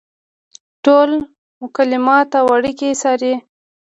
ټول مکالمات او اړیکې څاري.